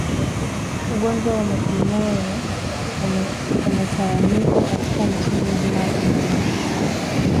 Ugonjwa wa majimoyo umetawanyika katika nchi nzima ya Tanzania